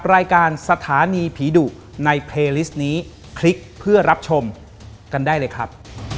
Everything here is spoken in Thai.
โปรดติดตามตอนต่อไป